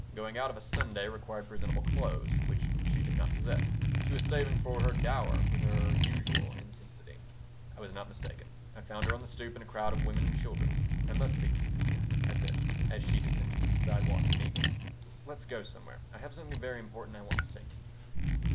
Going out of a Sunday required presentable clothes, which she did not possess. She was saving for her dower with her usual intensity I was not mistaken. I found her on the stoop in a crowd of women and children "I must speak to you, Gussie," I said, as she descended to the sidewalk to meet me. "Let's go somewhere. I have something very important I want to say to you."